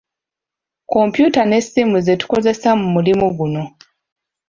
Kompyuta n'essimu ze tukozesa mu mulimu guno.